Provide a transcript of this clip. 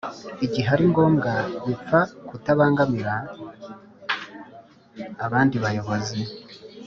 Igihe ari ngombwa bipfa kutabagamira abandi bayobozi